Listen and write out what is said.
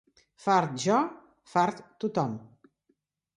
Fart jo, fart tothom.